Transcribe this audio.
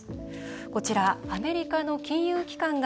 こちら、アメリカの金融機関が